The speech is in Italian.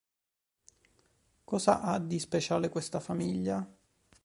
Cosa ha di speciale questa famiglia?